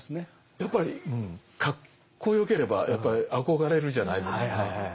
やっぱりかっこよければやっぱり憧れるじゃないですか。